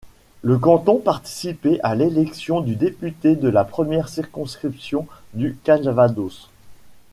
Le canton participait à l'élection du député de la première circonscription du Calvados.